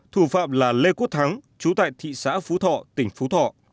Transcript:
thủ phạm là lê quốc thắng chú tại thị xã phú thọ tỉnh phú thọ